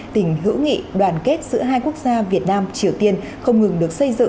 tình hữu nghị đoàn kết giữa hai quốc gia việt nam triều tiên không ngừng được xây dựng